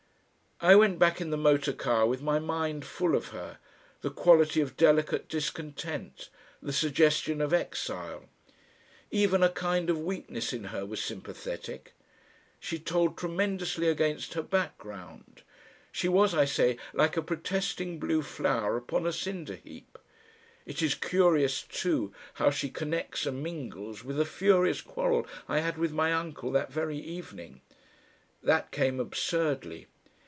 I went back in the motor car with my mind full of her, the quality of delicate discontent, the suggestion of exile. Even a kind of weakness in her was sympathetic. She told tremendously against her background. She was, I say, like a protesting blue flower upon a cinder heap. It is curious, too, how she connects and mingles with the furious quarrel I had with my uncle that very evening. That came absurdly.